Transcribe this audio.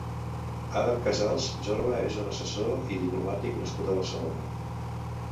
Adam Casals Jorba és un assessor i diplomàtic nascut a Barcelona.